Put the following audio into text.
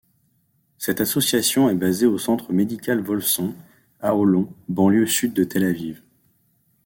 Cette association est basée au centre médical Wolfson, à Holon, banlieue sud de Tel-Aviv.